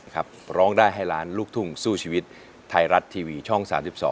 ร้องได้ให้ล้านลูกทุ่งสู้ชีวิตไทยรัฐทีวีช่อง๓๒